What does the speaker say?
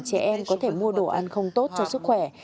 trẻ em có thể mua đồ ăn không tốt cho sức khỏe